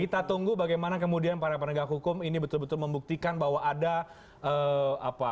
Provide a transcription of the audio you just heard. kita tunggu bagaimana kemudian para penegak hukum ini betul betul membuktikan bahwa ada apa